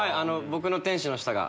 僕の天使の舌が。